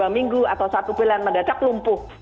dua minggu atau satu pilihan mendadak lumpuh